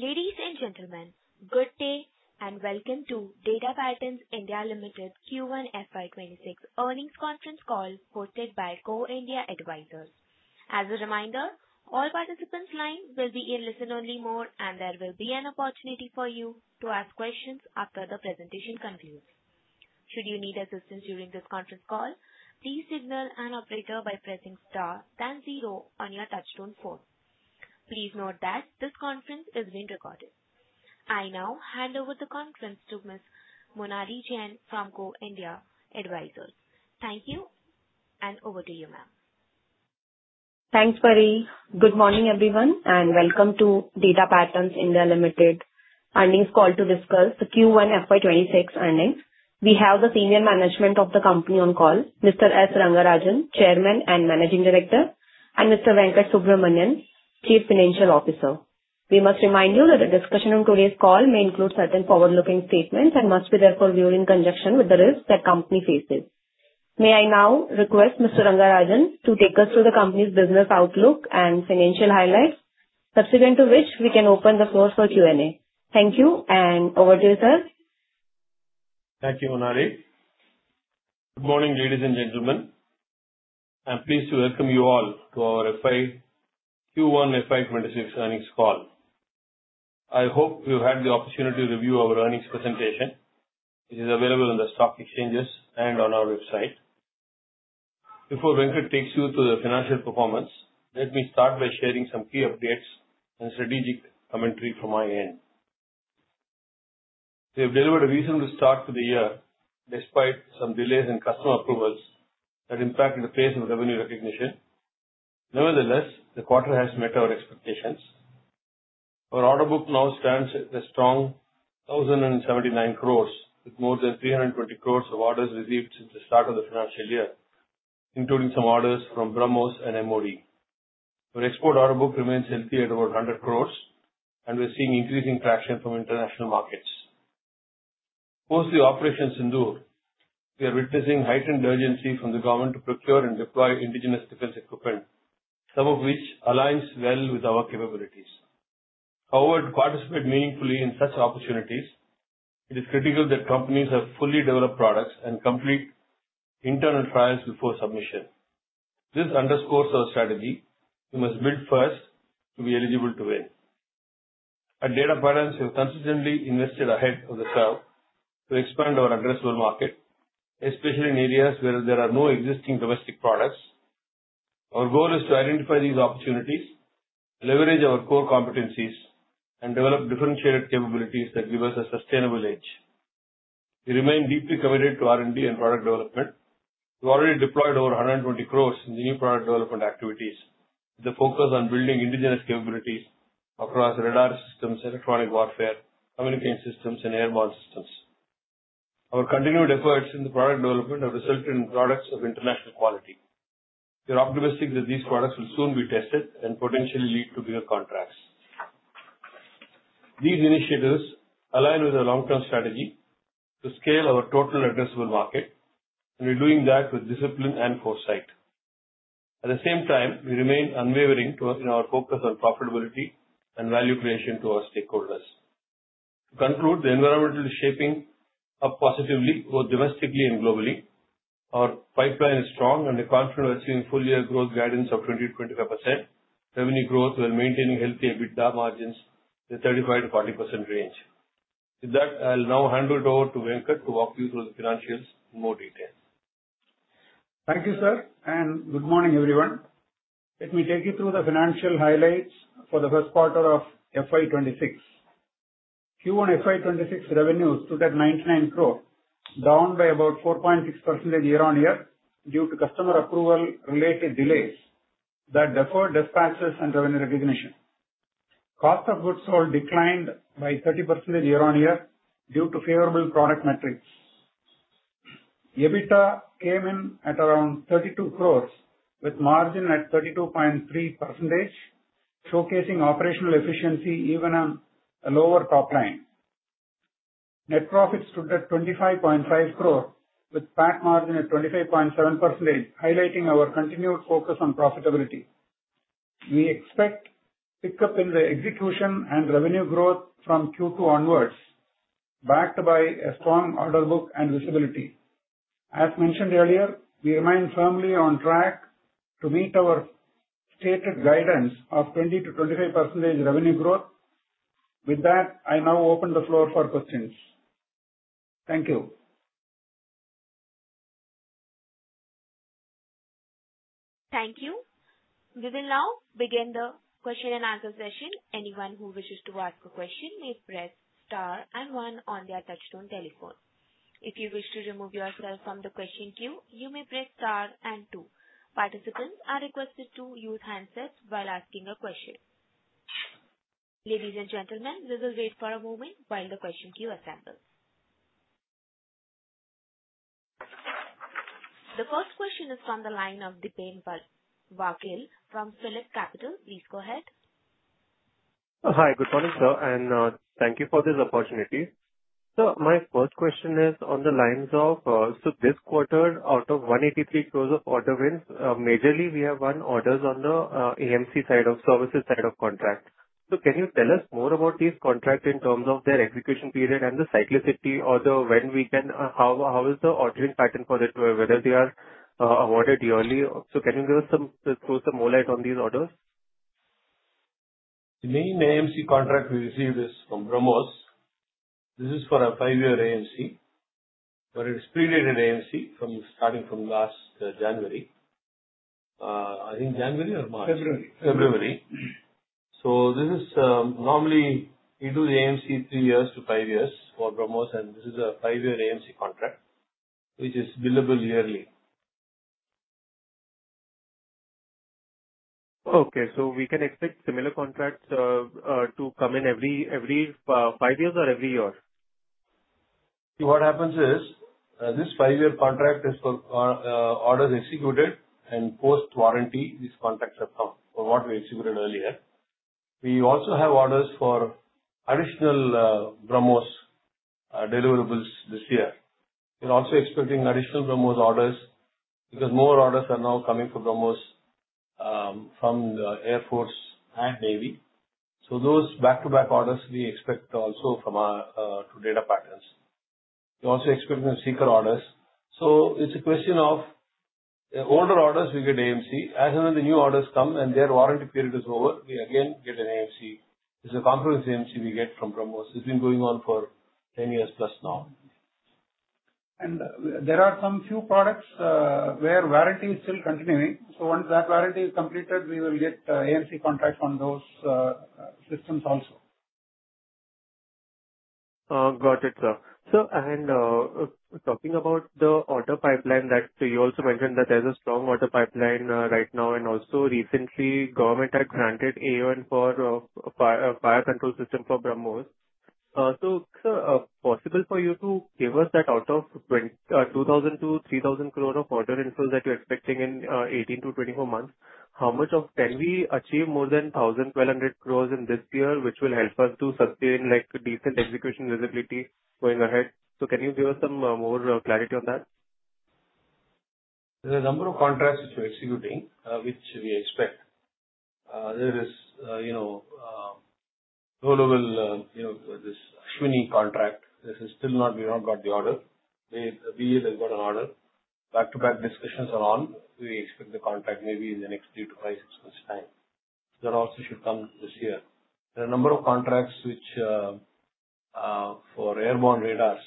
Ladies and gentlemen, good day and welcome to Data Patterns (India) Ltd Q1 FY 2026 Earnings Conference Call hosted by Go India Advisors. As a reminder, all participants' lines will be in listen-only mode, and there will be an opportunity for you to ask questions after the presentation concludes. Should you need assistance during this conference call, please signal an operator by pressing star then zero on your touchtone phone. Please note that this conference is being recorded. I now hand over the conference to Ms. Monali Jain from Go India Advisors. Thank you, and over to you, ma'am. Thanks, Pari. Good morning, everyone, and welcome to Data Patterns (India) Ltd Earnings Call to discuss the Q1 FY 2026 earnings. We have the senior management of the company on call, Mr. S. Rangarajan, Chairman and Managing Director, and Mr. Venkata Subramanian, Chief Financial Officer. We must remind you that the discussion on today's call may include certain forward-looking statements and must be therefore viewed in conjunction with the risks that the company faces. May I now request Mr. Rangarajan to take us through the company's business outlook and financial highlights, subsequent to which we can open the floor for Q&A. Thank you, and over to you, sir. Thank you, Monali. Good morning, ladies and gentlemen. I am pleased to welcome you all to our Q1 FY 2026 earnings call. I hope you had the opportunity to review our earnings presentation, which is available on the stock exchanges and on our website. Before Venkata takes you through the financial performance, let me start by sharing some key updates and strategic commentary from my end. We have delivered a reasonable start to the year, despite some delays in customer approvals that impacted the pace of revenue recognition. Nevertheless, the quarter has met our expectations. Our order book now stands at a strong 1,079 crore, with more than 320 crore of orders received since the start of the financial year, including some orders from BrahMos and the MoD. Our export order book remains healthy at over 100 crore, and we are seeing increasing traction from international markets. As the operations endure, we are witnessing heightened urgency from the government to procure and deploy indigenous defense equipment, some of which aligns well with our capabilities. However, to participate meaningfully in such opportunities, it is critical that companies have fully developed products and complete internal trials before submission. This underscores our strategy: we must build first to be eligible to win. At Data Patterns, we have consistently invested ahead of the curve to expand our addressable market, especially in areas where there are no existing domestic products. Our goal is to identify these opportunities, leverage our core competencies, and develop differentiated capabilities that give us a sustainable edge. We remain deeply committed to R&D and product development. We have already deployed over 120 crore in new product development activities, with a focus on building indigenous capabilities across radar systems, EW, communication systems, and air model systems. Our continued efforts in product development have resulted in products of international quality. We are optimistic that these products will soon be tested and potentially lead to bigger contracts. These initiatives align with our long-term strategy to scale our total addressable market, and we are doing that with discipline and foresight. At the same time, we remain unwavering in our focus on profitability and value creation to our stakeholders. To conclude, the environment is shaping up positively, both domestically and globally. Our pipeline is strong, and we are confident we are seeing full-year growth guidance of 20%-25%. Revenue growth will maintain healthy EBITDA margins in the 35%-40% range. With that, I will now hand it over to Venkata to walk you through the financials in more detail. Thank you, sir, and good morning, everyone. Let me take you through the financial highlights for the first quarter of FY 2026. Q1 FY 2026 revenue stood at 99 crore, down by about 4.6% year-on-year due to customer approval-related delays that deferred dispatches and revenue recognition. Cost of goods sold declined by 30% year-on-year due to favorable product metrics. EBITDA came in at around 32 crore, with margin at 32.3%, showcasing operational efficiency even on a lower top line. Net profit stood at 25.5 crore, with a PAT margin at 25.7%, highlighting our continued focus on profitability. We expect pickup in the execution and revenue growth from Q2 onwards, backed by a strong order book and visibility. As mentioned earlier, we remain firmly on track to meet our stated guidance of 20%-25% revenue growth. With that, I now open the floor for questions. Thank you. Thank you. We will now begin the question-and-answer session. Anyone who wishes to ask a question may press star and one on their touchtone telephone. If you wish to remove yourself from the question queue, you may press star and two. Participants are requested to use handsets while asking a question. Ladies and gentlemen, we will wait for a moment while the question queue assembles. The first question is from the line of Dipen Vakil from Phillip Capital. Please go ahead. Hi, good morning, sir, and thank you for this opportunity. Sir, my first question is on the lines of, this quarter, out of 183 crore of order wins, majorly we have won orders on the AMC side of services side of contract. Can you tell us more about these contracts in terms of their execution period and the cyclicity or when we can, how is the ordering pattern for it, whether they are awarded yearly? Can you give us some more light on these orders? The main AMC contract we received is from BrahMos. This is for a five-year AMC, but it's pre-dated AMC from starting from last January. I think January or March. February. February. This is normally, we do the AMC three years to five years for BrahMos, and this is a five-year AMC contract, which is billable yearly. Okay, so we can expect similar contracts to come in every five years or every year? What happens is this five-year contract is for orders executed and post-warranty. These contracts have come for what we executed earlier. We also have orders for additional BrahMos deliverables this year. We are also expecting additional BrahMos orders because more orders are now coming for BrahMos from the Air Force and Navy. Those back-to-back orders we expect also from our Data Patterns. We are also expecting seeker orders. It's a question of the older orders we get AMC. As and when the new orders come and their warranty period is over, we again get an AMC. It's a comprehensive AMC we get from BrahMos. It's been going on for 10 years+ now. There are some few products where warranty is still continuing. Once that warranty is completed, we will get AMC contracts on those systems also. Got it, sir. Talking about the order pipeline, you also mentioned that there's a strong order pipeline right now, and also recently government had granted AoN for a fire control system for BrahMos. Sir, possible for you to give us that out of 2,000-3,000 crores of order inflow that you're expecting in 18-24 months, how much of can we achieve more than 1,000, 1,200 crores in this year, which will help us to sustain like decent execution visibility going ahead? Can you give us some more clarity on that? There are a number of contracts which we're executing, which we expect. There is, you know, this Sweeney contract. This is still not, we have not got the order. We either got an order. Back-to-back discussions are on. We expect the contract maybe in the next three to five, six months' time. That also should come this year. There are a number of contracts for airborne radars,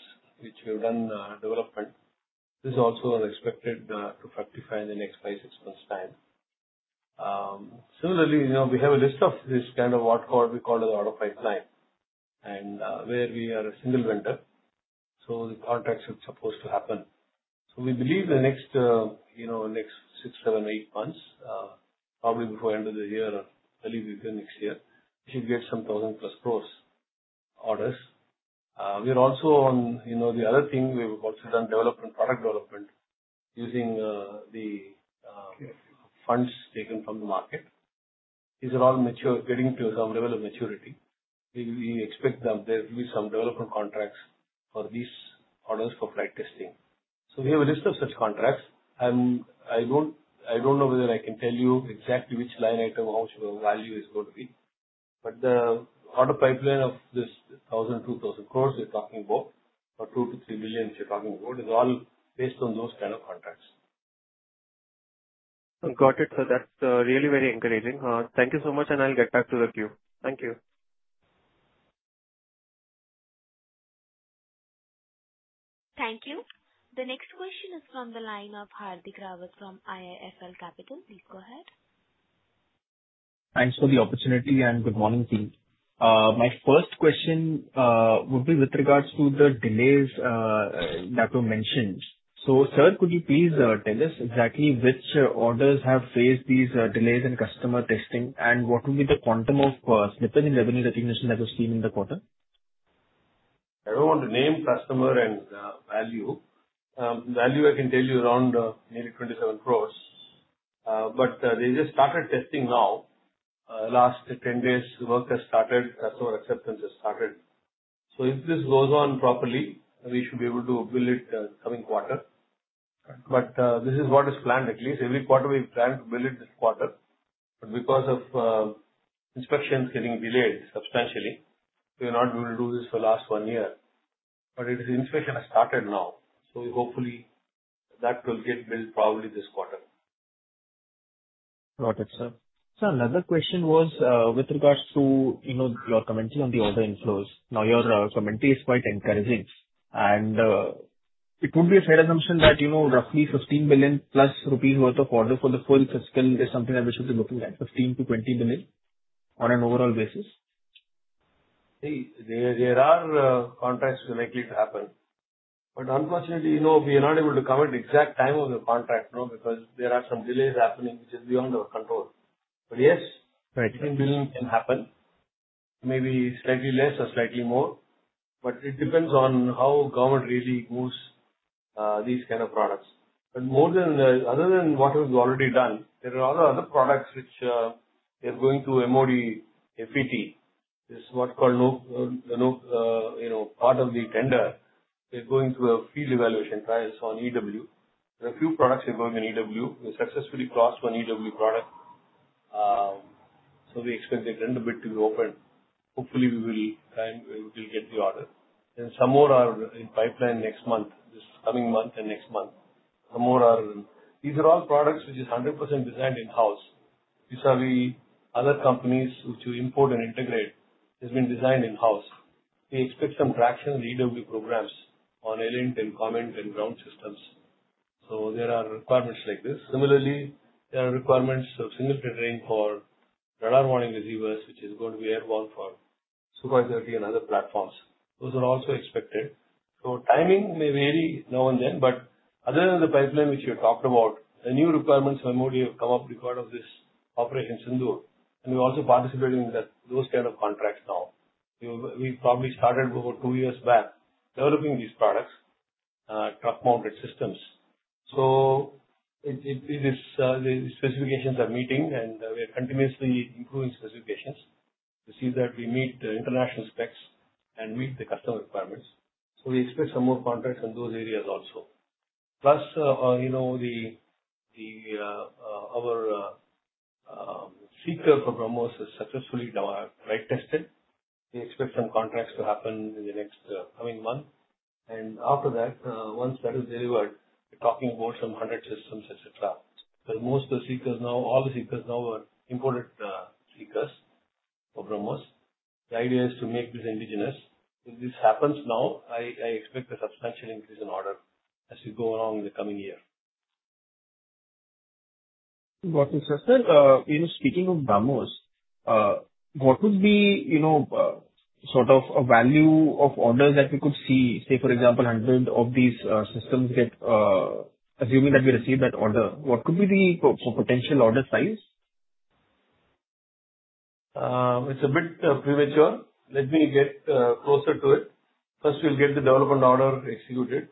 which we have done development. This is also expected to fructify in the next five, six months' time. Similarly, we have a list of this kind of what we call the order pipeline and where we are a single vendor. The contracts are supposed to happen. We believe in the next six, seven, eight months, probably before the end of the year or early next year, we should get some 1,000+ crores orders. We are also on, the other thing we've also done is development, product development using the funds taken from the market. These are all getting to some level of maturity. We expect that there will be some development contracts for these orders for flight testing. We have a list of such contracts. I don't know whether I can tell you exactly which line item or value is going to be. The order pipeline of this 1,000, 2,000 crores we're talking about, or 2 to 3 billion we're talking about, is all based on those kind of contracts. Got it, sir. That's really very encouraging. Thank you so much, and I'll get back to the queue. Thank you. Thank you. The next question is from the line of Hardik Rawat from IIFL Capital. Please go ahead. Thanks for the opportunity and good morning, team. My first question would be with regard to the delays that were mentioned. Sir, could you please tell us exactly which orders have raised these delays in customer testing, and what would be the quantum of slippage in revenue recognition that was seen in the quarter? I don't want to name customer and value. Value I can tell you around nearly 27 crore. They just started testing now. Last 10 days, work has started. Customer acceptance has started. If this goes on properly, we should be able to build it the coming quarter. This is what is planned. At least every quarter we plan to build it this quarter. Because of inspections getting delayed substantially, we are not able to do this for the last one year. The inspection has started now. Hopefully, that will get built probably this quarter. Got it, sir. Sir, another question was with regards to commenting on the order inflows. Your commentary is quite encouraging. It would be a fair assumption that roughly 15 million rupees+ worth of order for the full system is something I was looking at, 15 million-20 million on an overall basis. There are contracts likely to happen. Unfortunately, we are not able to comment the exact time on the contract because there are some delays happening, which is beyond our control. Yes, INR 15 billion can happen, maybe slightly less or slightly more. It depends on how government really moves these kind of products. More than what we've already done, there are other products which are going to MoD FET. This is what's called part of the tender. They're going through a field evaluation trial on EW. There are a few products that are going to EW. We successfully crossed one EW product. We expect the grant a bit to be open. Hopefully, we will try and we will get the order. Some more are in pipeline this coming month and next month. These are all products which are 100% designed in-house. These are not the other companies which we import and integrate. It's been designed in-house. We expect some traction in EW programs on ELINT and COMINT and ground systems. There are requirements like this. Similarly, there are requirements of single tendering for radar warning receivers, which is going to be airborne for SU530 and other platforms. Those are also expected. Timing may vary now and then, other than the pipeline which we have talked about. The new requirements for MoD have come up because of these operations. We also participate in those kind of contracts now. We probably started over two years back developing these products, truck-mounted systems. These specifications are meeting, and we are continuously improving specifications to see that we meet the international specs and meet the customer requirements. We expect some more contracts on those areas also. Plus, our seeker for BrahMos is successfully drive tested. We expect some contracts to happen in the next coming month. After that, once that is delivered, we're talking about some hundred systems, etc. Most of the seekers now, all the seekers now are imported seekers for BrahMos. The idea is to make this indigenous. If this happens now, I expect a substantial increase in order as we go along the coming year. Got it, sir. Sir, speaking of BrahMos, what would be a value of order that we could see, say, for example, 100 of these systems, assuming that we receive that order? What could be the potential order size? It's a bit premature. Let me get closer to it. First, we'll get the development order executed,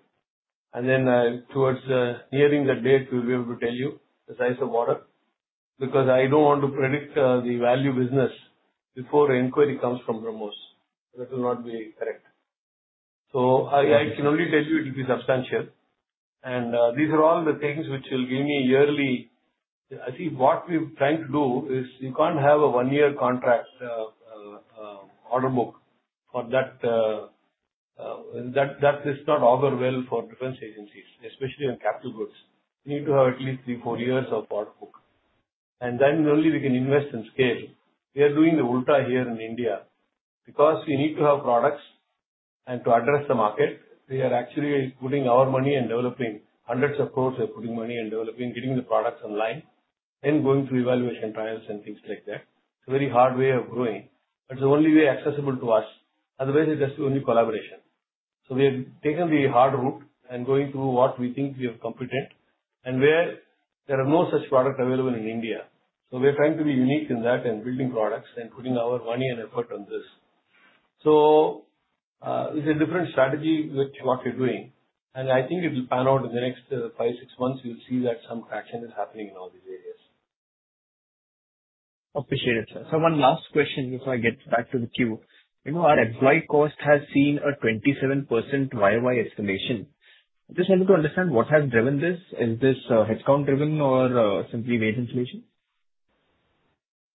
and then towards the nearing that date, we'll be able to tell you the size of order because I don't want to predict the value business before the inquiry comes from BrahMos. That will not be correct. I can only tell you it will be substantial. These are all the things which will give me yearly. I see what we're trying to do is you can't have a one-year contract order book for that. That does not order well for defense agencies, especially in capital goods. You need to have at least three, four years of order book, and then only we can invest in scale. We are doing the ulta here in India because we need to have products and to address the market. We are actually putting our money and developing hundreds of crores. We are putting money and developing, getting the products online, then going through evaluation trials and things like that. It's a very hard way of growing. That's the only way accessible to us. Otherwise, it has to be only collaboration. We have taken the hard route and going through what we think we are competent and where there are no such products available in India. We're trying to be unique in that and building products and putting our money and effort on this. It's a different strategy with what we're doing. I think it will pan out in the next five, six months. We'll see that some traction is happening in all these areas. Appreciate it, sir. Sir, one last question before I get back to the queue. You know, our employee cost has seen a 27% YY estimation. Just wanted to understand what has driven this. Is this headcount driven or simply wage inflation?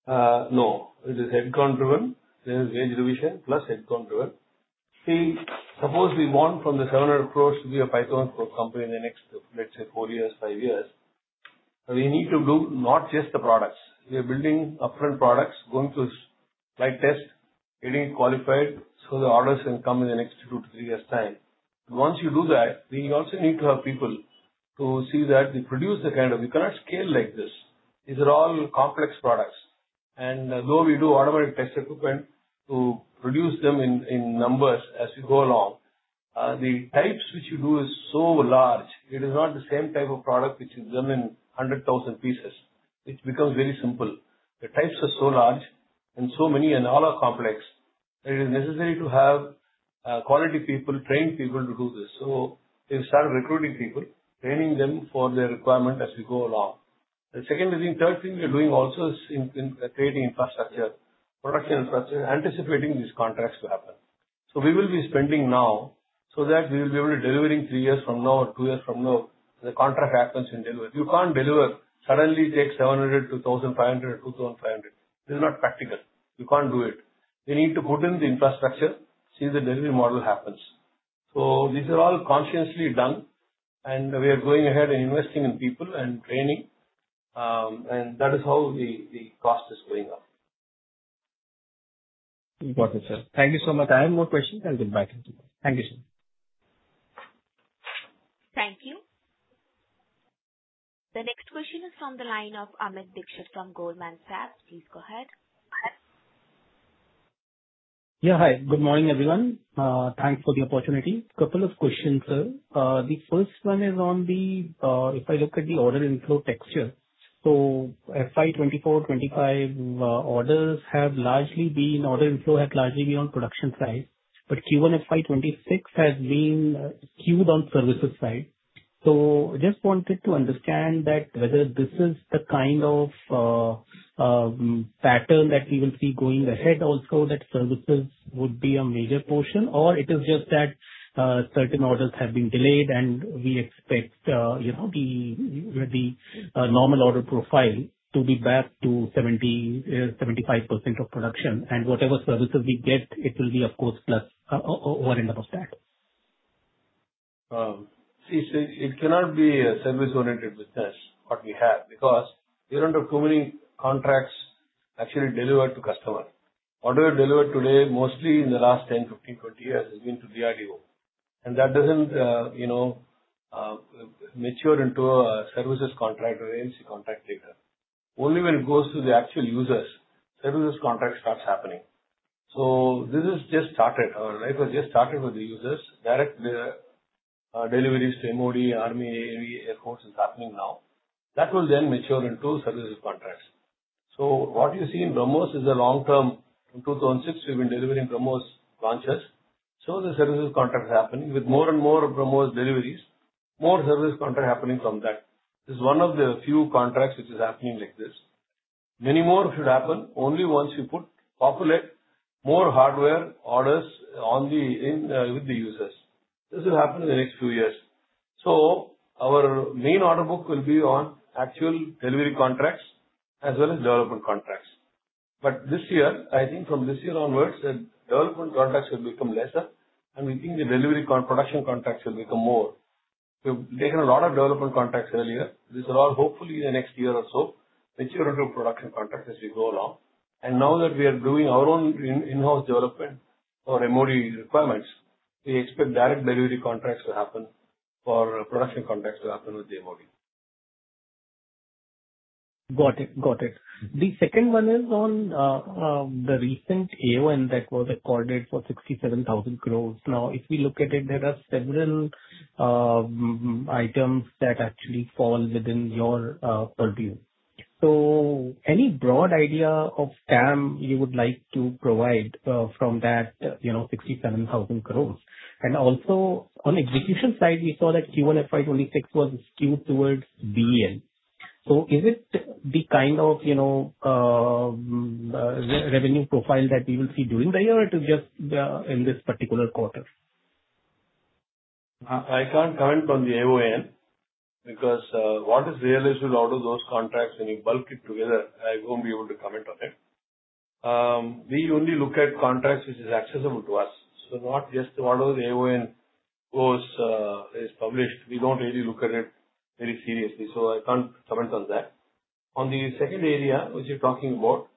No, it is headcount driven. It is wage revision plus headcount driven. See, suppose we want from the 700 crore to be a INR 5,000 crore company in the next, let's say, four years, five years. We need to build not just the products. We are building upfront products, going to flight test, getting it qualified so the orders can come in the next two to three years' time. Once you do that, we also need to have people to see that we produce the kind of, we cannot scale like this. These are all complex products. Though we do automatic test equipment to produce them in numbers as we go along, the types which we do are so large. It is not the same type of product which is done in 100,000 pieces, which becomes very simple. The types are so large and so many and all are complex. It is necessary to have quality people, trained people to do this. We start recruiting people, training them for their requirement as we go along. The second thing, third thing we are doing also is creating infrastructure, production infrastructure, and anticipating these contracts to happen. We will be spending now so that we will be able to deliver in three years from now or two years from now. The contract happens in delivery. You can't deliver, suddenly take 700 crore to 1,500 crore or 2,500 crore. It is not practical. You can't do it. We need to put in the infrastructure, see the delivery model happens. These are all consciously done, and we are going ahead and investing in people and training. That is how the cost is going up. Got it, sir. Thank you so much. I have more questions. I'll get back to you. Thank you, sir. Thank you. The next question is from the line of Amit Dixit from Goldman Sachs. Please go ahead. Yeah, hi. Good morning, everyone. Thanks for the opportunity. A couple of questions, sir. The first one is, if I look at the order inflow texture, FY 2024, 2025 orders have largely been, order inflow has largely been on the production side, but Q1 FY 2026 has been queued on the services side. I just wanted to understand whether this is the kind of pattern that we will see going ahead, also that services would be a major portion, or it is just that certain orders have been delayed and we expect the normal order profile to be back to 70%-75% of production. Whatever services we get, it will be, of course, plus or in the back. See, it cannot be a service-oriented business what we have because we don't have too many contracts actually delivered to customers. Order delivered today, mostly in the last 10, 15, 20 years, has been to DRDO. That doesn't, you know, mature into a services contract or AMC contract later. Only when it goes to the actual users, services contract starts happening. This has just started. Our life has just started with the users. Direct deliveries to MoD, Army, Air Force, it's happening now. That will then mature into services contracts. What you see in BrahMos is the long term. From 2006, we've been delivering BrahMos launches. The services contract is happening with more and more BrahMos deliveries, more services contract happening from that. It's one of the few contracts which is happening like this. Many more should happen only once we put, populate more hardware orders with the users. This will happen in the next few years. Our main order book will be on actual delivery contracts as well as development contracts. I think from this year onwards, the development contracts will become lesser, and we think the delivery production contracts will become more. We've taken a lot of development contracts earlier. These are all hopefully in the next year or so, mature to production contracts as we go along. Now that we are doing our own in-house development for MoD requirements, we expect direct delivery contracts to happen for production contracts to happen with the MoD. Got it. The second one is on the recent AoN recorded for 67,000 crore. If we look at it, there are several items that actually fall within your purview. Any broad idea of TAM you would like to provide from that 67,000 crore? Also, on the execution side, we saw that Q1 FY 2026 was skewed toward BEL. Is it the kind of revenue profile that we will see during the year, or is it just in this particular quarter? I can't comment on the AoN because what is realistic out of those contracts when you bulk it together, I won't be able to comment on it. We only look at contracts which are accessible to us. Not just the order of the AoN goes is published. We don't really look at it very seriously. I can't comment on that. On the second area which you're talking about,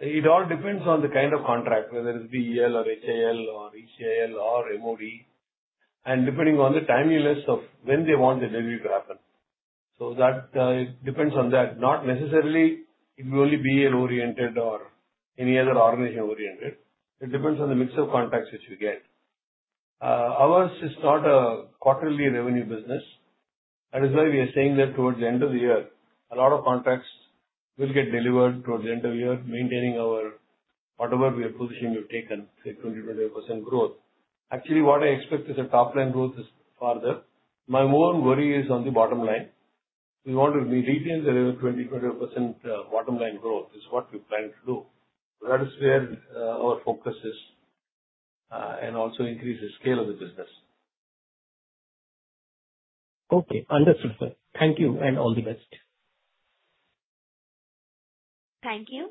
it all depends on the kind of contract, whether it's BEL or HAL or MoD, and depending on the timeliness of when they want the delivery to happen. That depends on that. Not necessarily it will be only BEL-oriented or any other organization-oriented. It depends on the mix of contracts which we get. Ours is not a quarterly revenue business. That is why we are saying that towards the end of the year, a lot of contracts will get delivered towards the end of the year, maintaining our whatever we are positioning we've taken, say 20%-30% growth. Actually, what I expect is a top-line growth is farther. My own worry is on the bottom line. We want to meet 18%, 30%, 20% bottom line growth. It's what we plan to do. That is where our focus is and also increase the scale of the business. Okay, understood, sir. Thank you and all the best. Thank you.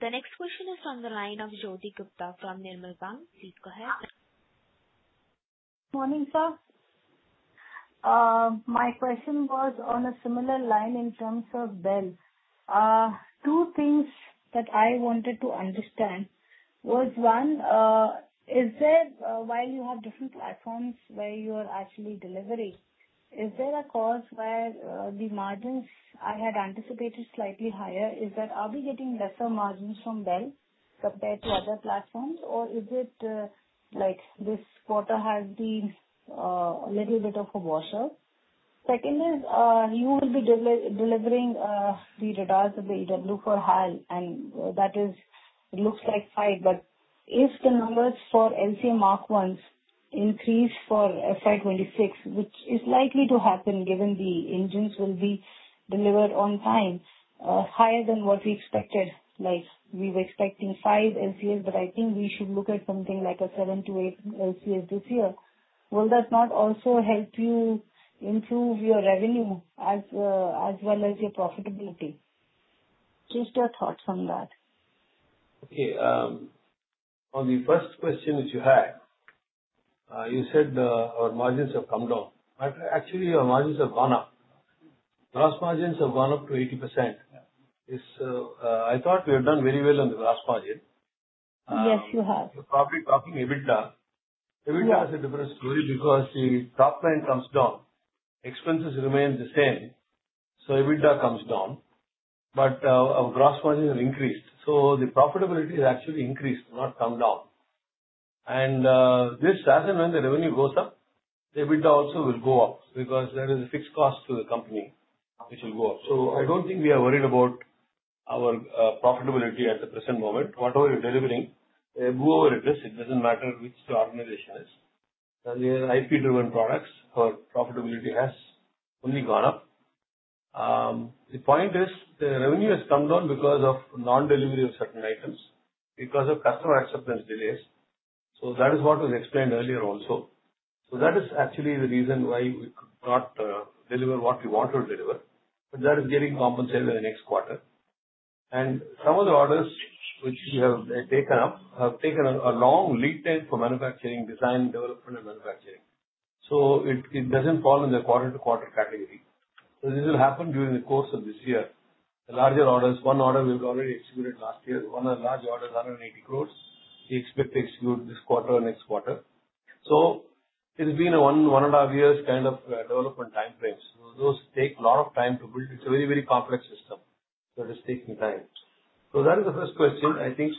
The next question is on the line of Jyoti Gupta from Nirmal Bang. Please go ahead. Morning, sir. My question was on a similar line in terms of BEL. Two things that I wanted to understand was, one, is there while you have different platforms where you are actually delivering, is there a cause where the margins I had anticipated slightly higher? Is that are we getting lesser margins from BEL compared to other platforms, or is it like this quarter has been a little bit of a washout? Second is you will be delivering the radars of the EW for HAL, and that is it looks like five, but if the numbers for LCA Mark 1s increase for FY 2026, which is likely to happen given the engines will be delivered on time, higher than what we expected, like we were expecting five LCAs, but I think we should look at something like a seven to eight LCAs this year. Will that not also help you improve your revenue as well as your profitability? Please share thoughts on that. Okay. On the first question which you had, you said our margins have come down. Actually, our margins have gone up. Gross margins have gone up to 80%. I thought we have done very well on the gross margin. Yes, you have. We're talking EBITDA. EBITDA is a different story because the top line comes down. Expenses remain the same, so EBITDA comes down. Our gross margins have increased, so the profitability has actually increased, not come down. As and when the revenue goes up, the EBITDA also will go up because there is a fixed cost to the company which will go up. I don't think we are worried about our profitability at the present moment. Whatever you're delivering, we'll move over at risk. It doesn't matter which the organization is. We have IP-driven products. Our profitability has only gone up. The point is the revenue has come down because of non-delivery of certain items, because of customer acceptance delays. That is what was explained earlier also. That is actually the reason why we could not deliver what we want to deliver. That is getting compensated in the next quarter. Some of the orders which we have taken up have taken a long lead time for manufacturing, design, development, and manufacturing. It doesn't fall in the quarter-to-quarter category. This will happen during the course of this year. The larger orders, one order we've already executed last year. One of the large orders, 180 crore, we expect to execute this quarter or next quarter. It's been a one and a half years kind of development timeframe. Those take a lot of time to build. It's a very, very complex system. It is taking time. That is the first question. I think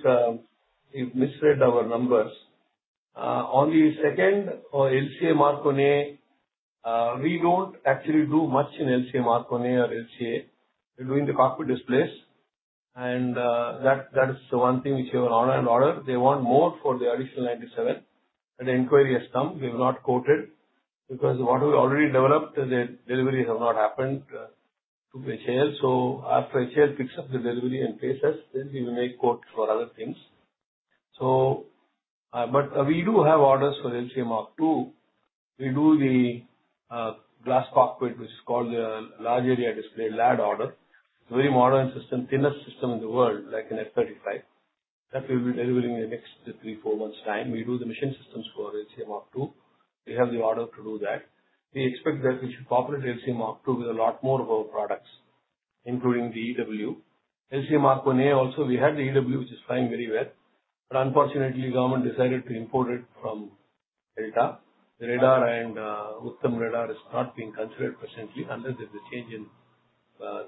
you misread our numbers. On the second or LCA Mark 1A, we don't actually do much in LCA Mark 1A or LCA. We're doing the cockpit displays, and that is the one thing which we will honor and order. They want more for the additional 97, and the inquiry has come. We have not quoted because what we already developed and the deliveries have not happened to HAL. After HAL picks up the delivery and pays us, then we will make quotes for other things. We do have orders for LCA Mark 2. We do the glass cockpit, which is called the Large Area Display LAD order. It's a very modern system, thinnest system in the world, like an F-35. That will be delivering in the next three, four months' time. We do the machine systems for LCA MARK 2. We have the order to do that. We expect that we should populate LCA MARK 2 with a lot more of our products, including the EW. LCA Mark 1A, also, we had the EW, which is flying very well. Unfortunately, the government decided to import it from ELTA. ELTA radar and Uttam radar is not being considered presently unless there's a change in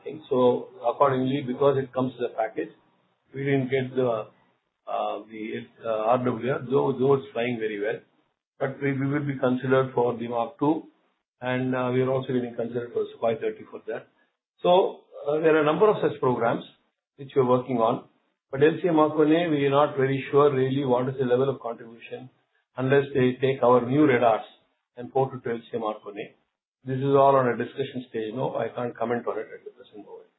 things. Accordingly, because it comes to the package, we didn't get the RWR, though it's flying very well. We will be considered for the Mark 2 and we are also getting considered for the supply 30 for that. There are a number of such programs which we are working on. LCA Mark 1A, we are not really sure what is the level of contribution unless they take our new radars and port it to LCA Mark 1A. This is all on a discussion stage. No, I can't comment on it at the present moment.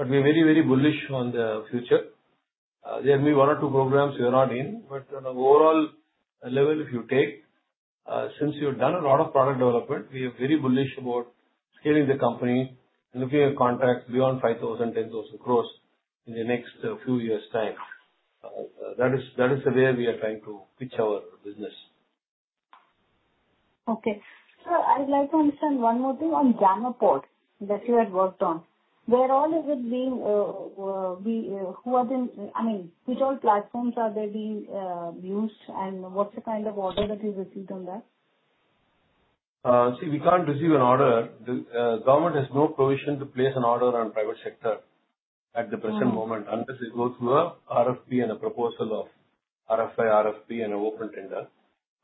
We're very, very bullish on the future. There will be one or two programs we are not in. On an overall level, if you take, since we have done a lot of product development, we are very bullish about scaling the company, looking at contracts beyond 5,000 crore, 10,000 crore in the next few years' time. That is the way we are trying to pitch our business. Okay. Sir, I would like to understand one more thing on jammer port that you had worked on. Where all is it being, who are the, I mean, which all platforms are they being used and what's the kind of order that you received on that? See, we can't receive an order. The government has no provision to place an order on private sector at the present moment unless it goes through an RFP and a proposal of RFI, RFP, and an open tender.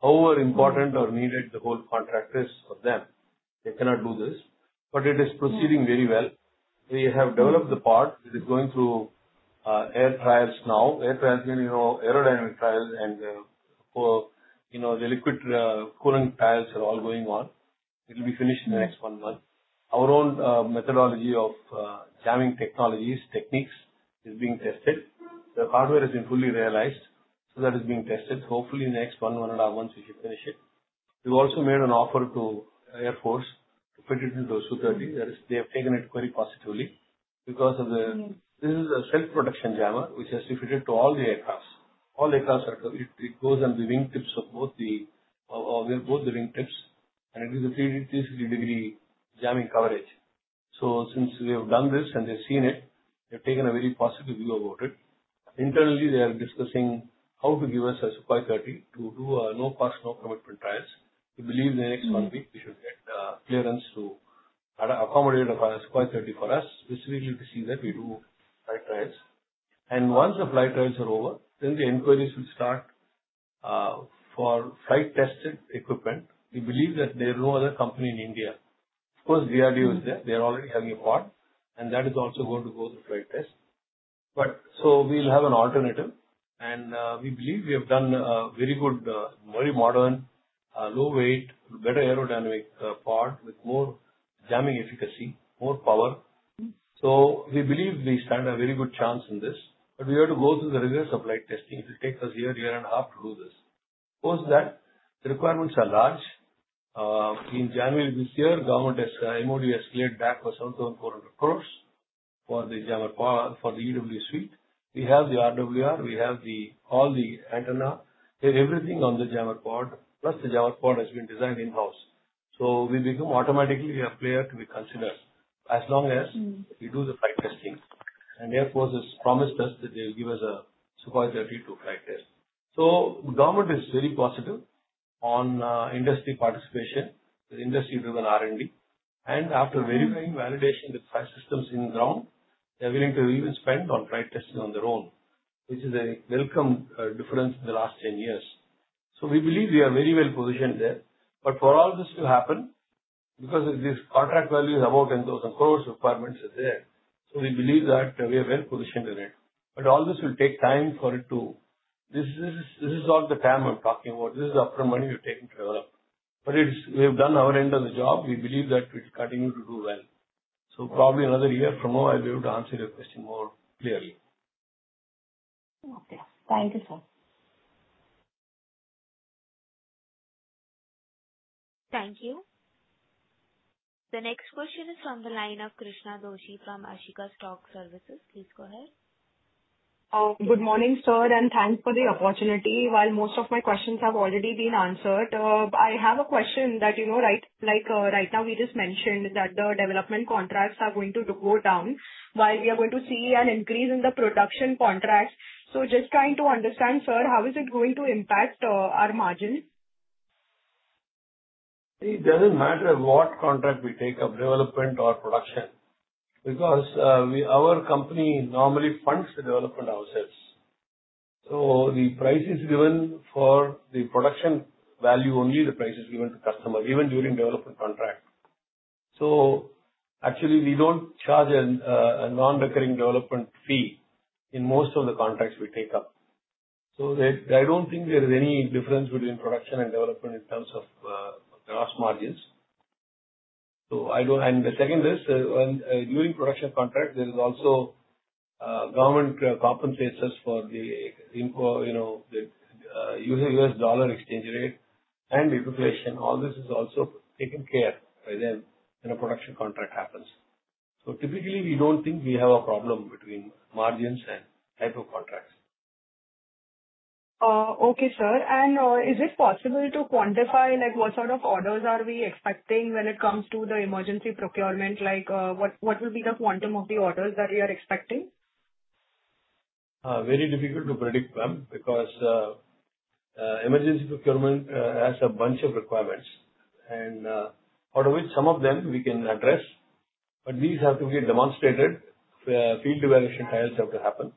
However important or needed the whole contract is for them, they cannot do this. It is proceeding very well. We have developed the part. It is going through air trials now. Air trials mean, you know, aerodynamic trials and, you know, the liquid coolant trials are all going on. It will be finished in the next one month. Our own methodology of jamming technologies, techniques is being tested. The hardware has been fully realized. That is being tested. Hopefully, in the next one, one and a half months, we should finish it. We've also made an offer to Air Force to fit it into the 230. They have taken it very positively because this is a self-protection jammer, which has to be fitted to all the aircraft. All aircraft, it goes on the wing tips of both the, of both the wing tips. It is a 360 degree jamming coverage. Since they've done this and they've seen it, they've taken a very positive view about it. Internally, they are discussing how to give us a Su-30 to do a no-cost, no-commitment trials. We believe in the next one week, we should get clearance to accommodate a Su-30 for us, specifically to see that we do flight trials. Once the flight trials are over, then the inquiries will start for flight tested equipment. We believe that there is no other company in India. Of course, DRDO is there. They are already having a part, and that is also going to go through flight test. We will have an alternative. We believe we have done a very good, very modern, low weight, better aerodynamic part with more jamming efficacy, more power. We believe we stand a very good chance in this. We have to go through the rigorous flight testing. It will take us a year, year and a half to do this. Because of that, the requirements are large. In January of this year, the MoD escalated back for 7,400 crore for the jammer for the EW suite. We have the RWR. We have all the antenna, everything on the jammer part, plus the jammer part has been designed in-house. We become automatically a player to be considered as long as we do the flight testing. Air Force has promised us that they will give us a Su-30 to flight test. Government is very positive on industry participation, the industry-driven R&D. After verifying validation with five systems in the ground, they are willing to even spend on flight testing on their own, which is a welcome difference in the last 10 years. We believe we are very well positioned there. For all this to happen, because this contract value is about 10,000 crore, requirements are there. We believe that we are well positioned in it. All this will take time for it to, this is all the time I'm talking about. This is the upfront money we've taken to develop. We have done our end of the job. We believe that we will continue to do well. Probably another year from now, I'll be able to answer your question more clearly. Okay. Thank you, sir. Thank you. The next question is from the line of Krishna Dojipam, Ashika Stock Services. Please go ahead. Good morning, sir, and thanks for the opportunity. While most of my questions have already been answered, I have a question that right now we just mentioned that the development contracts are going to go down while we are going to see an increase in the production contracts. Just trying to understand, sir, how is it going to impact our margin? It doesn't matter what contract we take of development or production because our company normally funds the development ourselves. The price is given for the production value only. The price is given to customers even during development contract. We don't charge a non-recurring development fee in most of the contracts we take up. I don't think there is any difference between production and development in terms of gross margins. During production contracts, there is also government compensators for the U.S. dollar exchange rate and the appreciation. All this is also taken care of when a production contract happens. Typically, we don't think we have a problem between margins and type of contracts. Okay, sir. Is it possible to quantify what sort of orders we are expecting when it comes to the emergency procurement? What will be the quantum of the orders that we are expecting? Very difficult to predict, Pam, because emergency procurement has a bunch of requirements, out of which some of them we can address. These have to be demonstrated. Field evaluation trials have to happen.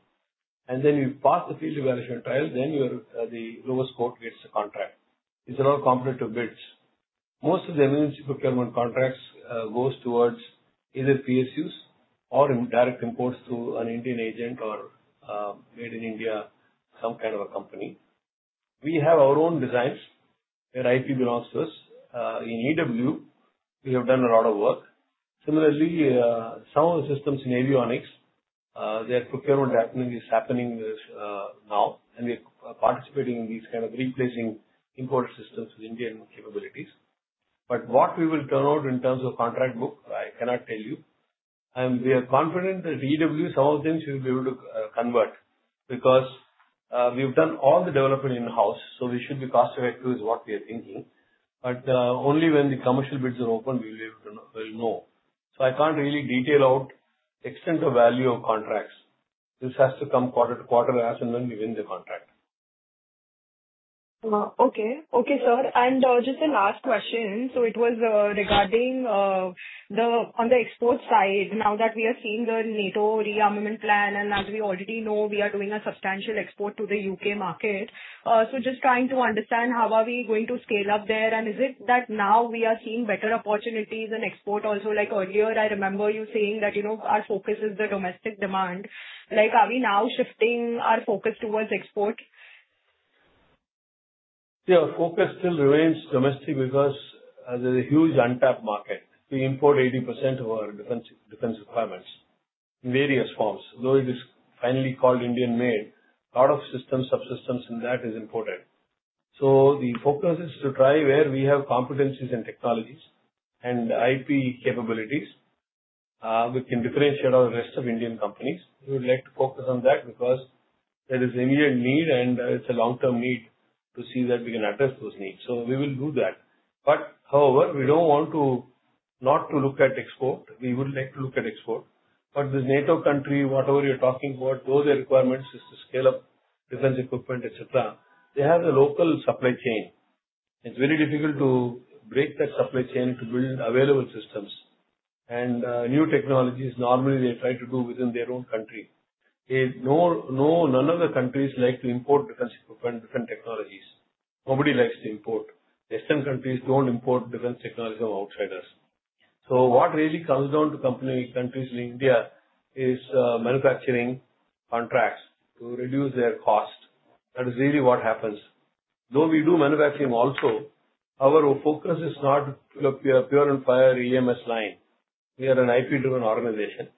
If you pass the field evaluation trials, then your lowest quote gets the contract. These are all competitive bids. Most of the emergency procurement contracts go towards either PSUs or direct imports through an Indian agent or made in India, some kind of a company. We have our own designs where IP belongs to us. In EW, we have done a lot of work. Similarly, some of the systems in avionics, their procurement is happening now, and they are participating in these kinds of replacing import systems with Indian capabilities. What we will turn out in terms of contract book, I cannot tell you. We are confident that EW, some of the things we will be able to convert because we've done all the development in-house. We should be cost-effective is what we are thinking. Only when the commercial bids are open, we will know. I can't really detail out the extent of value of contracts. This has to come quarter-to-quarter as and when we win the contract. Okay, sir. Just a last question. It was regarding the export side. Now that we are seeing the NATO rearmament plan, and as we already know, we are doing a substantial export to the U.K. market, just trying to understand how are we going to scale up there, and is it that now we are seeing better opportunities in export also? Like earlier, I remember you saying that our focus is the domestic demand. Are we now shifting our focus towards export? Yeah, our focus still remains domestic because there's a huge untapped market. We import 80% of our defense requirements in various forms. Though it is finally called Indian-made, a lot of systems, subsystems in that are imported. The focus is to try where we have competencies and technologies and IP capabilities. We can differentiate our rest of Indian companies. We would like to focus on that because there is an immediate need, and it's a long-term need to see that we can address those needs. We will do that. However, we don't want to not look at export. We would like to look at export. This NATO country, whatever you're talking about, those are the requirements just to scale up defense equipment, etc. They have the local supply chain. It's very difficult to break that supply chain to build available systems. New technologies, normally, they try to do within their own country. None of the countries like to import defense equipment, different technologies. Nobody likes to import. Western countries don't import defense technologies from outsiders. What really comes down to company countries in India is manufacturing contracts to reduce their cost. That is really what happens. Though we do manufacturing also, our focus is not a pure and fire EMS line. We are an IP-driven organization.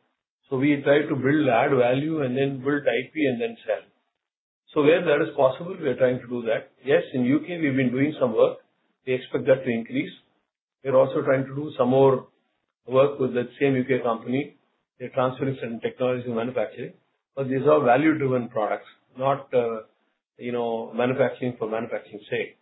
We try to build add value and then build IP and then sell. Where that is possible, we are trying to do that. Yes, in the U.K., we've been doing some work. We expect that to increase. We're also trying to do some more work with that same U.K. company. They're transferring certain technologies and manufacturing. These are value-driven products, not, you know, manufacturing for manufacturing's sake.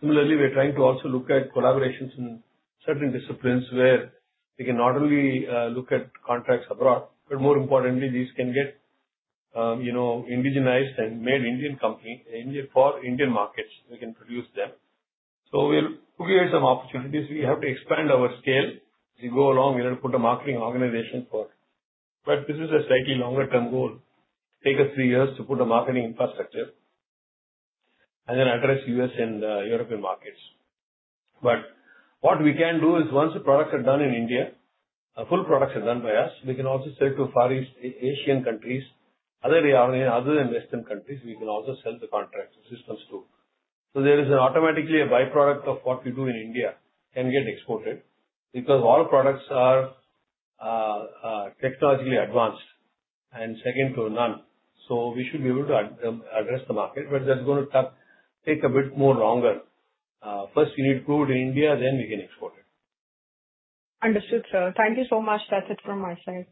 Similarly, we're trying to also look at collaborations in certain disciplines where we can not only look at contracts abroad, but more importantly, these can get, you know, indigenized and made Indian company for Indian markets. We can produce them. We're looking at some opportunities. We have to expand our scale. We go along. We'll put a marketing organization for it. This is a slightly longer-term goal. It takes us three years to put a marketing infrastructure and then address U.S. and European markets. What we can do is once the products are done in India, full products are done by us, we can also sell to Far East Asian countries. Other than Western countries, we can also sell the contracts and systems too. There is automatically a byproduct of what we do in India can get exported because all products are technologically advanced and second to none. We should be able to address the market, but that's going to take a bit more longer. First, we need proof in India, then we can export it. Understood, sir. Thank you so much. That's it from my side.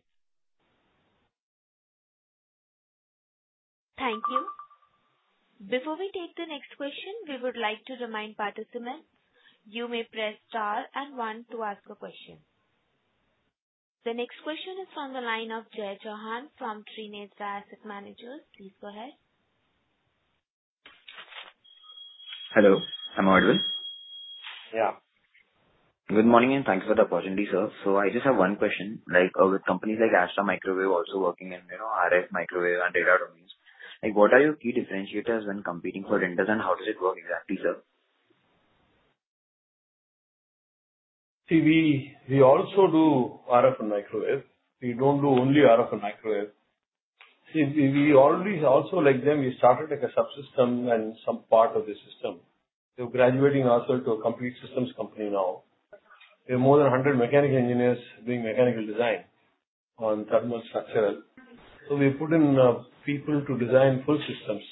Thank you. Before we take the next question, we would like to remind participants you may press star and one to ask a question. The next question is from the line of Jai Chauhan from Trinetra Asset Managers. Please go ahead. Hello. I'm I audible? Yeah. Good morning and thanks for the opportunity, sir. I just have one question. With companies like Astra Microwave also working in RF Microwave and radar drones, what are your key differentiators when competing for vendors and how does it work exactly, sir? See, we also do RF and microwave. We don't do only RF and microwave. We also like them. We started like a subsystem and some part of the system. We're graduating also to a complete systems company now. We have more than 100 mechanical engineers doing mechanical design on thermal, structural. We put in people to design full systems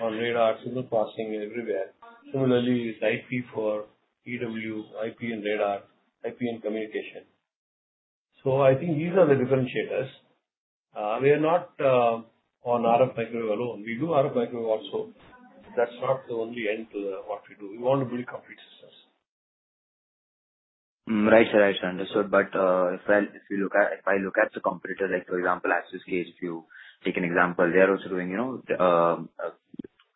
on radars, overpassing, and everywhere. Similarly, it's IP for EW, IP in radar, IP in communication. I think these are the differentiators. We are not on RF microwave alone. We do RF microwave also. That's not the only end to what we do. We want to build complete systems. Right, sir. Understood. If I look at the competitor, like for example, Astra case, if you take an example, they're also doing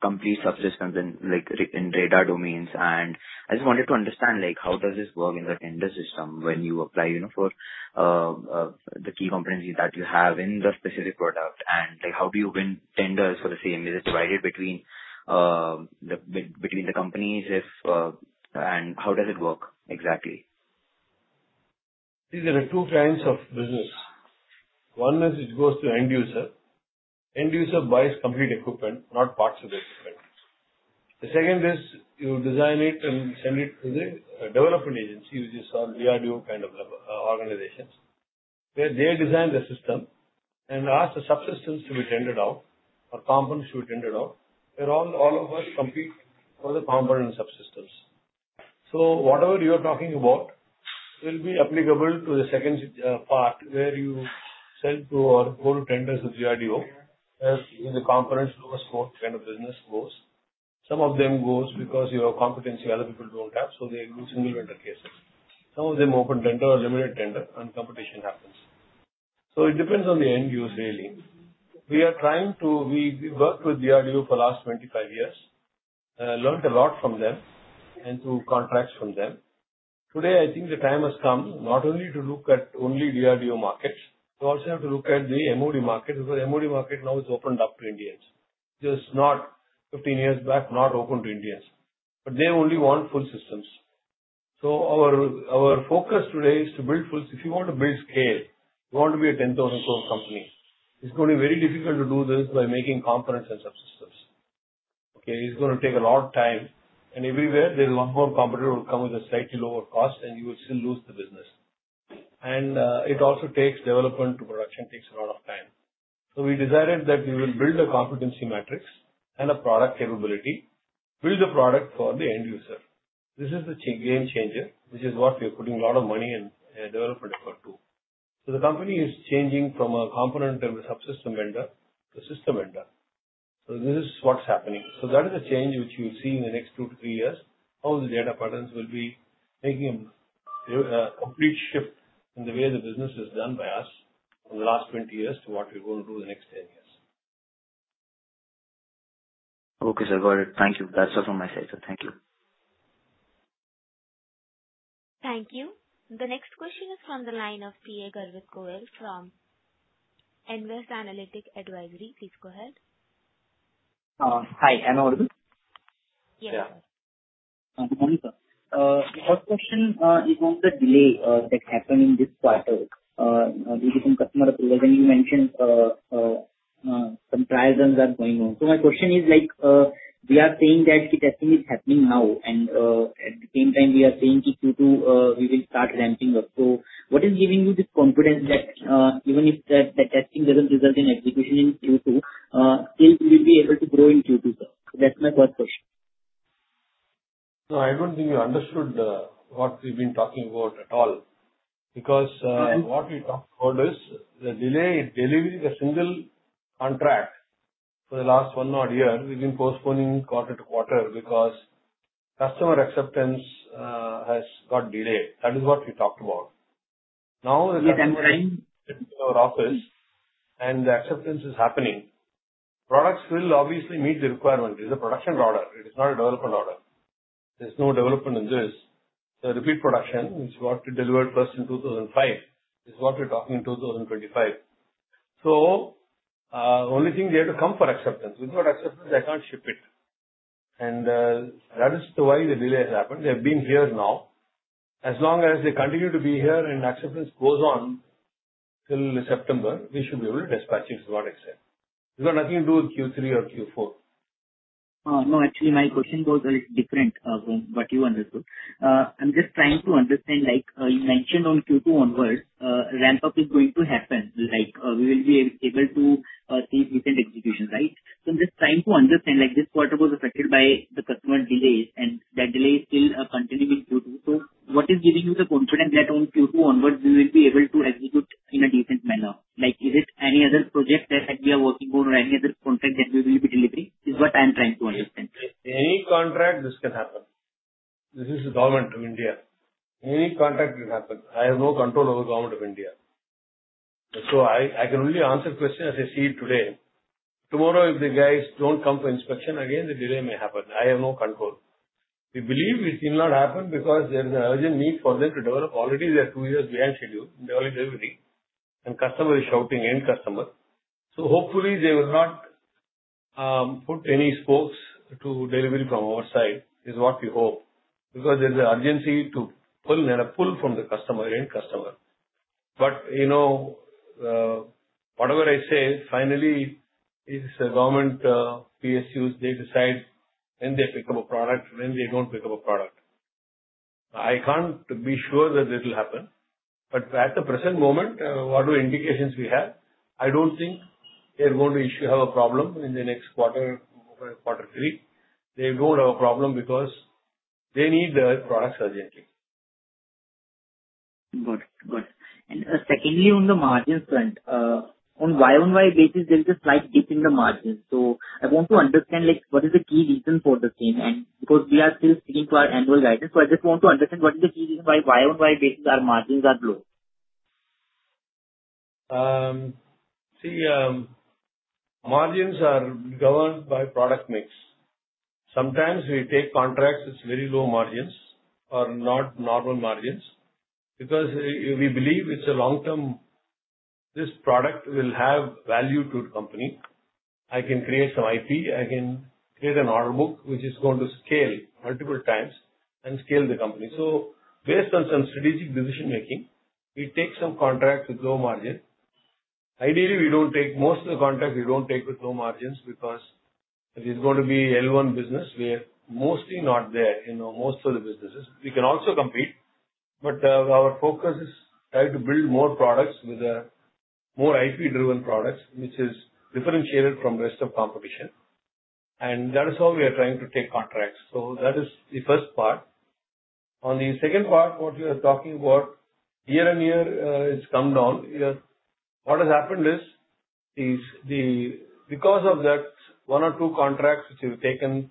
complete subsystems in radar domains. I just wanted to understand how does this work in the tender system when you apply for the key competency that you have in the specific product? How do you win tenders for the same? Is it divided between the companies? How does it work exactly? See, there are two kinds of business. One is it goes to end user. End user buys complete equipment, not parts of the system. The second is you design it and send it to the development agency, which is called DRDO kind of organizations. They design the system and ask the subsystems to be tendered out or components to be tendered out. They're all of us complete for the component subsystems. Whatever you're talking about will be applicable to the second part where you sell to our core tenders with DRDO as in the components, lowest fourth kind of business goes. Some of them go because you have competency other people don't have. They do single vendor cases. Some of them open tender or limited tender and competition happens. It depends on the end use, really. We are trying to, we worked with DRDO for the last 25 years, learned a lot from them and through contracts from them. Today, I think the time has come not only to look at only DRDO markets, but also have to look MoD market MoD market now is opened up to Indians. Just not 15 years back, not open to Indians. They only want full systems. Our focus today is to build full. If you want to build scale, you want to be a 10,000 crore company. It's going to be very difficult to do this by making components and subsystems. It's going to take a lot of time. Everywhere, there's one more competitor who will come with a slightly lower cost, and you will still lose the business. It also takes development to production, takes a lot of time. We decided that we will build a competency matrix and a product capability, build the product for the end user. This is the game changer, which is what we are putting a lot of money and development effort to. The company is changing from a component and a subsystem vendor to a system vendor. This is what's happening. That is the change which we will see in the next two to three years. All the Data Patterns will be making a complete shift in the way the business is done by us from the last 20 years to what we're going to do in the next 10 years. Okay, sir. Got it. Thank you. That's all from my side, sir. Thank you. Thank you. The next question is from the line of CA Garvit Goyal from Nvest Analytic Advisory. Please go ahead. Hi. Hello. Yes. The first question is about the delay that's happening this quarter due to some customer approval. You mentioned some trials that are going on. My question is like, we are saying that the testing is happening now, and at the same time, we are saying Q2 we will start ramping up. What is giving you this confidence that even if the testing doesn't result in execution in Q2, still we will be able to grow in Q2? That's my first question. I don't think you understood what we've been talking about at all because what we talked about is the delay in delivering a single contract for the last one-odd year. We've been postponing quarter to quarter because customer acceptance has got delayed. That is what we talked about. Now the customer is coming into our office, and the acceptance is happening. Products will obviously meet the requirements. It's a production order. It is not a development order. There's no development in this. The repeat production, which is what we delivered first in 2005, is what we're talking in 2025. The only thing they have to come for is acceptance. Without acceptance, I can't ship it. That is the way the delay has happened. They have been here now. As long as they continue to be here and acceptance goes on till September, we should be able to dispatch if not accepted. It's got nothing to do with Q3 or Q4. No, actually, my question goes a little different from what you understood. I'm just trying to understand, like you mentioned on Q2 onward, ramp-up is going to happen. We will be able to see decent execution, right? I'm just trying to understand, like this quarter was affected by the customer delays, and that delay is still continuing in Q2. What is giving you the confidence that on Q2 onwards we will be able to execute in a decent manner? Is it any other project that we are working on or any other contract that we will be delivering? This is what I'm trying to understand. Any contract, this can happen. This is the government of India. Any contract can happen. I have no control over the government of India. I can only answer questions as I see it today. Tomorrow, if the guys don't come for inspection again, the delay may happen. I have no control. We believe this will not happen because there's an urgent need for them to develop. Already, they are two years behind schedule in developing everything. The customer is shouting at the customer. Hopefully, they will not put any spokes to delivery from our side, is what we hope, because there's an urgency to pull and a pull from the customer and customer. Whatever I say, finally, if the government PSUs, they decide when they pick up a product, when they don't pick up a product. I can't be sure that it will happen. At the present moment, whatever indications we have, I don't think they're going to issue a problem in the next quarter, quarter three. They don't have a problem because they need the products urgently. Got it. On the margins front, on why on why basis there is a price shift in the margins? I want to understand what is the key reason for the change? We are still sticking to our annual guidance, so I just want to understand what is the key reason why on why basis our margins are low? See, margins are governed by product mix. Sometimes we take contracts with very low margins or not normal margins because we believe it's a long-term, this product will have value to the company. I can create some IP. I can create an order book which is going to scale multiple times and scale the company. Based on some strategic decision-making, we take some contracts with low margins. Ideally, we don't take most of the contracts we don't take with low margins because if it's going to be L1 business, we're mostly not there. Most of the businesses, we can also compete, but our focus is trying to build more products with more IP-driven products, which is differentiated from the rest of the competition. That is how we are trying to take contracts. That is the first part. On the second part, what you are talking about, year-on-year, it's come down. What has happened is because of that one or two contracts which have taken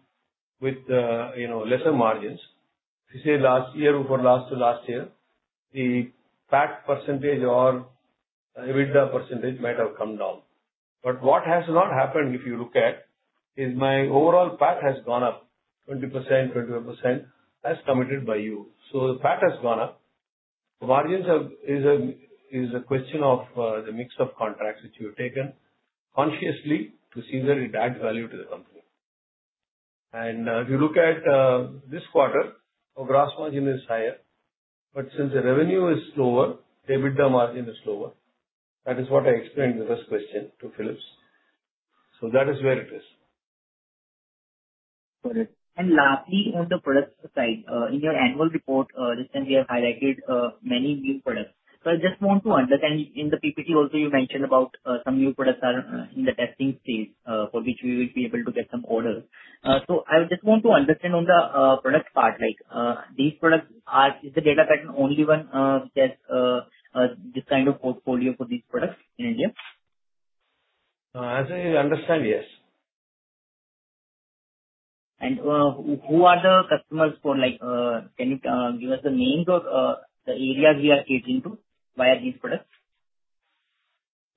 with, you know, lesser margins, say last year over last to last year, the PAT percentage or EBITDA percentage might have come down. What has not happened, if you look at, is my overall PAT has gone up 20%, 25% as committed by you. The PAT has gone up. The margins are a question of the mix of contracts which you have taken consciously to see that it adds value to the company. If you look at this quarter, our gross margin is higher, but since the revenue is lower, EBITDA margin is lower. That is what I explained in the first question to Philips. That is where it is. Got it. Lastly, on the products side, in your annual report, this time we have highlighted many new products. I just want to understand, in the PPT, also you mentioned about some new products are in the testing phase for which we will be able to get some order. I would just want to understand on the products part, like these products, is Data Patterns the only one that has this kind of portfolio for these products in India? As I understand, yes. Who are the customers for, like, can you give us the names of the areas we are catering to via these products?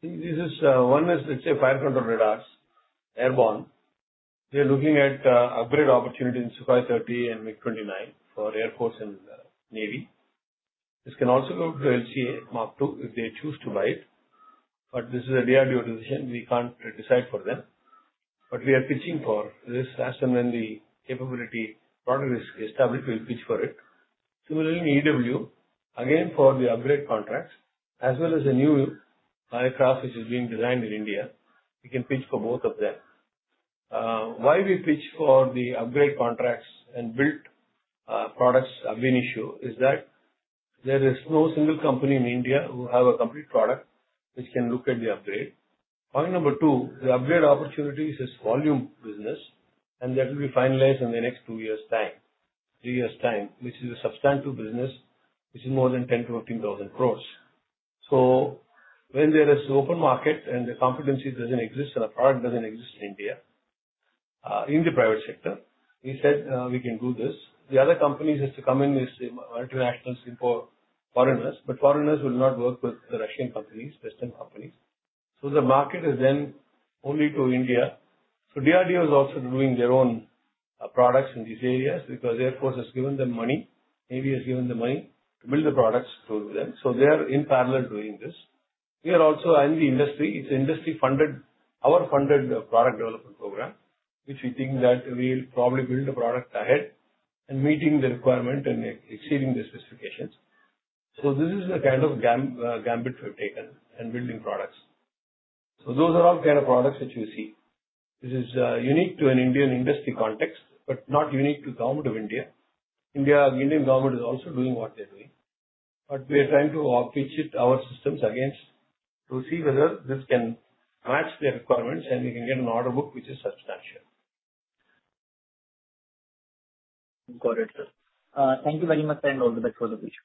See, this one is, let's say, fire control radars, airborne. We are looking at upgrade opportunities in SU530 and MiG-29 for Air Force and Navy. This can also go to LCA Mark 2 if they choose to buy it. This is a DRDO decision. We can't decide for them. We are pitching for this as and when the capability product is established, we'll pitch for it. similarly, EW, again, for the upgrade contracts, as well as a new aircraft which is being designed in India, we can pitch for both of them. Why we pitch for the upgrade contracts and build products have been issued is that there is no single company in India who has a complete product which can look at the upgrade. Point number two, the upgrade opportunity is a volume business, and that will be finalized in the next two years' time, three years' time, which is a substantial business, which is more than 10,000-15,000 crore. When there is an open market and the competency doesn't exist and a product doesn't exist in India, in the private sector, we said we can do this. The other companies have to come in with the multinationals, import foreigners, but foreigners will not work with the Russian companies, Western companies. The market is then only to India. DRDO is also doing their own products in these areas because Air Force has given them money, Navy has given them money to build the products through them. They're in parallel doing this. We are also in the industry. It's an industry-funded, our funded product development program, which we think that we'll probably build a product ahead and meeting the requirement and exceeding the specifications. This is the kind of gambit we've taken and building products. Those are all kind of products that you see. This is unique to an Indian industry context, but not unique to the Government of India. The Indian government is also doing what they're doing. We are trying to pitch it to our systems against to see whether this can match their requirements and we can get an order book which is substantial. Got it, sir. Thank you very much. All the best for the question.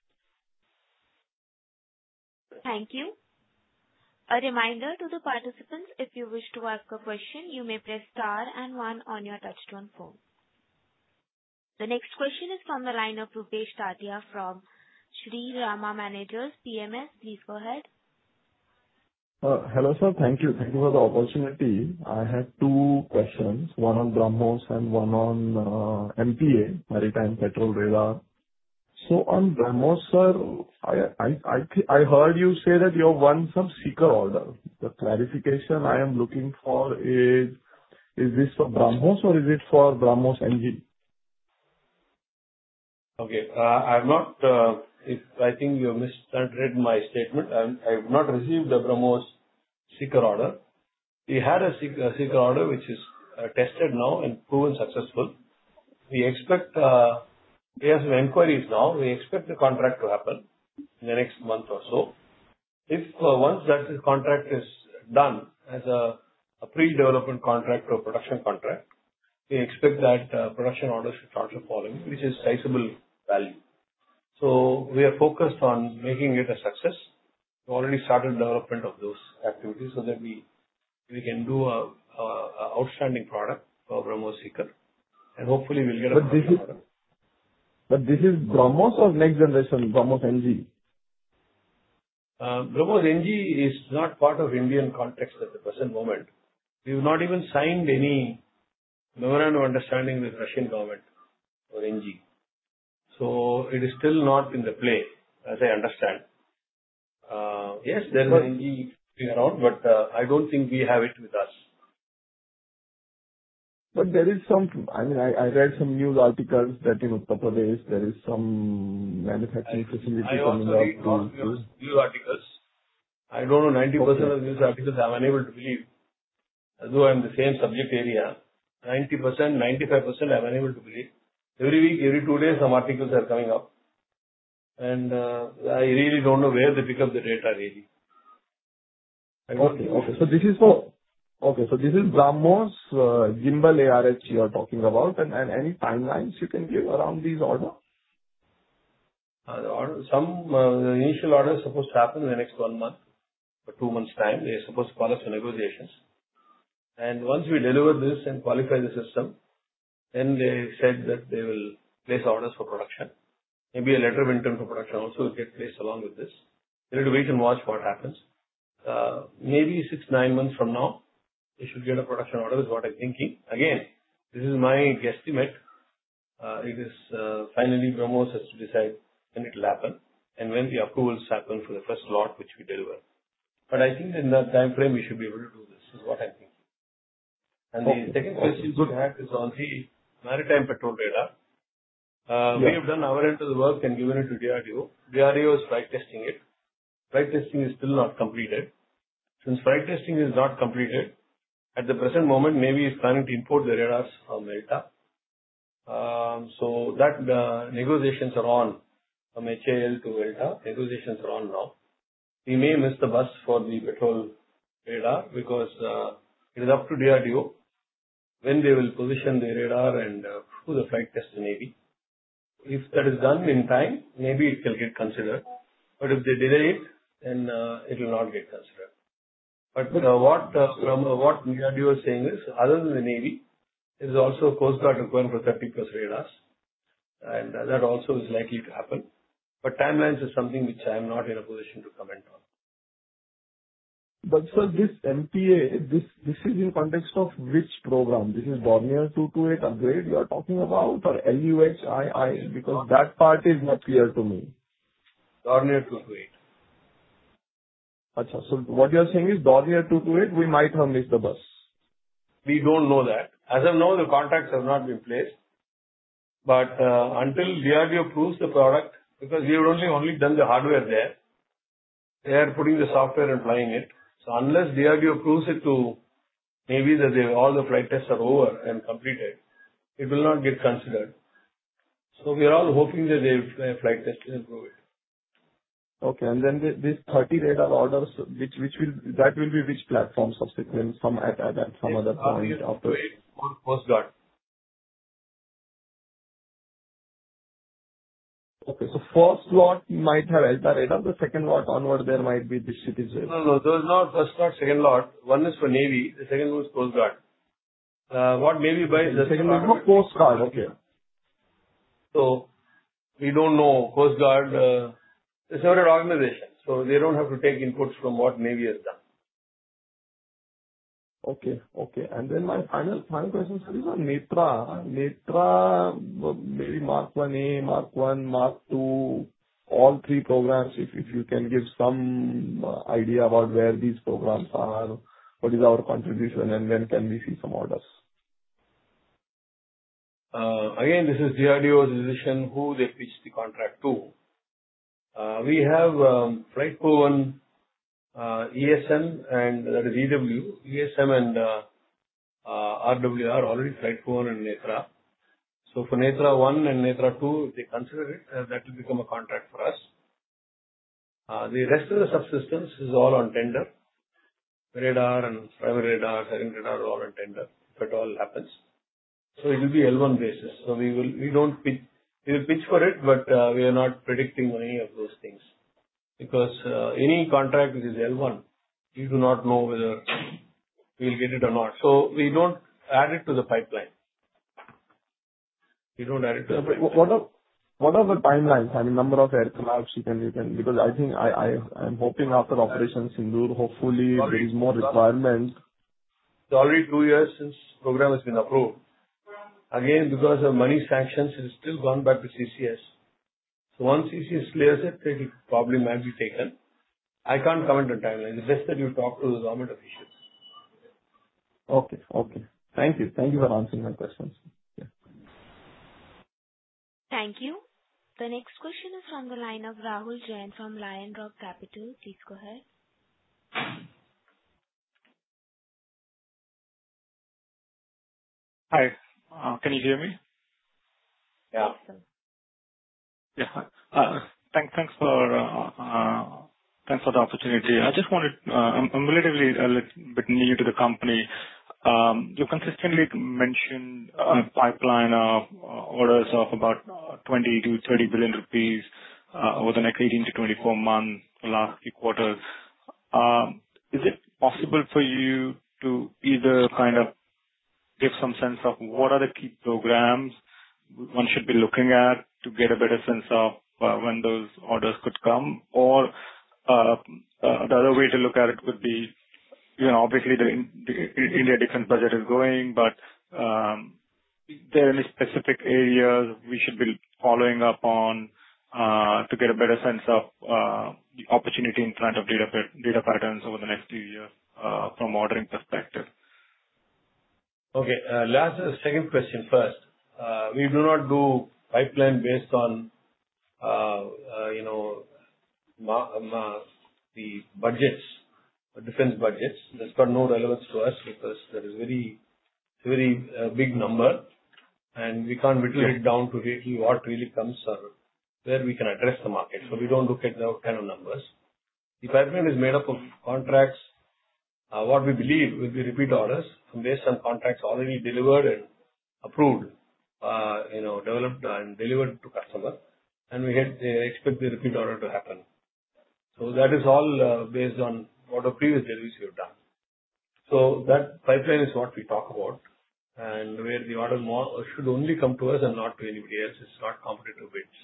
Thank you. A reminder to the participants, if you wish to ask a question, you may press star and one on your touchtone phone. The next question is from the line of Rupesh Tatiya from Shree Rama Managers PMS. Please go ahead. Hello, sir. Thank you. Thank you for the opportunity. I have two questions, one on BrahMos and one on MPA, Maritime Patrol Radar. On BrahMos, sir, I heard you say that you're on one subseeker order. The clarification I am looking for is, is this for BrahMos or is it for BrahMos NG? Okay. I think you misunderstood my statement. I have not received the BrahMos seeker order. We had a seeker order which is tested now and proven successful. We have inquiries now. We expect the contract to happen in the next month or so. If once that contract is done as a pre-development contract or production contract, we expect that production orders will start falling, which is sizable value. We are focused on making it a success. We've already started development of those activities so that we can do an outstanding product for BrahMos seeker. Hopefully, we'll get a product. Is this BrahMos or next generation BrahMos NG? BrahMos NG is not part of the Indian context at the present moment. We've not even signed any memorandum of understanding with the Russian government or NG. It is still not in the play, as I understand. Yes, there is an NG around, but I don't think we have it with us. There is some, I mean, I read some news articles that in a couple of days, there is some manufacturing facility coming out. News articles. I don't know. 90% of the news articles I'm unable to believe. Although I'm in the same subject area, 90%, 95% I'm unable to believe. Every week, every two days, some articles are coming up. I really don't know where they pick up the data, really. This is for, okay, this is BrahMos gimbal ARH you are talking about. Any timelines you can give around these orders? Some initial orders are supposed to happen in the next one month or two months' time. They're supposed to call us for negotiations. Once we deliver this and qualify the system, then they said that they will place orders for production. Maybe a letter of intent for production also will get placed along with this. We'll wait and watch what happens. Maybe six, nine months from now, we should get a production order is what I'm thinking. Again, this is my guesstimate. It is finally BrahMos has to decide when it will happen and when the approvals happen for the first lot which we deliver. I think in that timeframe, we should be able to do this. This is what I'm thinking. The second question you could have is on the maritime patrol radar. We have done our end of the work and given it to DRDO. DRDO is bike testing it. Bike testing is still not completed. Since bike testing is not completed, at the present moment, Navy is planning to import the radars on ELTA. Negotiations are on from HAL to ELTA. Negotiations are on now. We may miss the bus for the patrol radar because it is up to DRDO when they will position the radar and who the flight tests the Navy. If that is done in time, maybe it will get considered. If they delay it, then it will not get considered. What DRDO is saying is other than the Navy, there is also a Coast Guard requirement for 30+ radars. That also is likely to happen. Timelines are something which I am not in a position to comment on. For this MPA, this is in context of which program? This is Dornier 228 upgrade you are talking about or NUHII because that part is not clear to me. Dornier 228. What you're saying is Dornier 228, we might have missed the bus. We don't know that. As of now, the contracts have not been placed. Until DRDO approves the product, because we have only done the hardware there, they are putting the software and flying it. Unless DRDO approves it to Navy that all the flight tests are over and completed, it will not get considered. We are all hoping that they have flight tested and approved it. These 30 radar orders, which will be which platform subsequent from ELTA then from another point up to Coast Guard. Fourth lot might have ELTA radar. The second lot onward, there might be this citizen. No, no, no. There's not first lot, second lot. One is for Navy. The second one is Coast Guard. What Navy buys the second one? Coast Guard. We don't know. Coast Guard is a separate organization. They don't have to take inputs from what Navy has done. My final, final questions, these are NETRA. NETRA, maybe Mark 20, Mark 1, Mark 2, all three programs. If you can give some idea about where these programs are, what is our contribution, and when can we see some orders? This is DRDO's decision who they pitch the contract to. We have FlightPo1, ESM, and that is EW. ESM and RWR are already FlightPo1 and NETRA. For NETRA 1 and NETRA 2, if they consider it, that will become a contract for us. The rest of the subsystems is all on tender. The radar and primary radar, carrying radar are all on tender if at all happens. It will be L1 basis. We will pitch for it, but we are not predicting any of those things because any contract which is L1, we do not know whether we'll get it or not. We don't add it to the pipeline. What are the timelines? I mean, number of aircraft you can, you can, because I think I am hoping after operations in Dur, hopefully there is more requirement. It's already two years since the program has been approved. Again, because of money sanctions, it has still gone back to CCS. Once CCS clears it, it probably might be taken. I can't comment on timeline. It's best that you talk to the government officials. Okay. Okay. Thank you. Thank you for answering my questions. Thank you. The next question is from the line of Rahul Jain from LionRock Capital. Please go ahead. Hi. Can you hear me? Yeah. Thanks for the opportunity. I just wanted, I'm relatively a bit new to the company. You've consistently mentioned a pipeline of orders of about 20 million-30 billion rupees over the next 18-24 months last quarter. Is it possible for you to either kind of give some sense of what are the key programs one should be looking at to get a better sense of when those orders could come? The other way to look at it would be, you know, obviously, the India defense budget is going, but are there any specific areas we should be following up on to get a better sense of the opportunity in front of Data Patterns over the next few years from an ordering perspective? Okay. Last, second question first. We do not do pipeline based on the budgets, defense budgets. That's got no relevance to us because that is a very big number. We can't whittle it down to what really comes or where we can address the market. We don't look at those kind of numbers. The pipeline is made up of contracts. What we believe will be repeat orders from those contracts already delivered and approved, you know, developed and delivered to customer. We expect the repeat order to happen. That is all based on what our previous deliveries have done. That pipeline is what we talk about. Where the order should only come to us and not to anything else, it's not competitive bids.